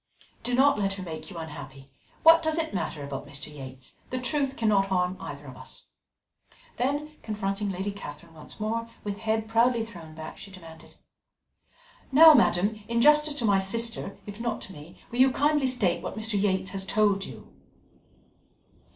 Do not let her make you unhappy. What does it matter about Mr. Yates? The truth cannot harm either of us." Then, confronting Lady Catherine once more, with head proudly thrown back, she demanded: "Now, madam, in justice to my sister, if not to me, will you kindly state what Mr. Yates has told you?"